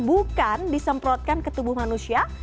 bukan disemprotkan ke tubuh manusia